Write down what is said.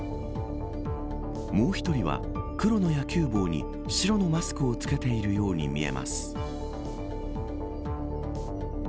もう１人は、黒の野球帽に白のマスクを着けているように見えます。